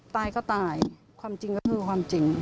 ตายก็ตายความจริงก็คือความจริง